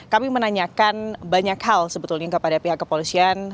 kami menanyakan banyak hal sebetulnya kepada pihak kepolisian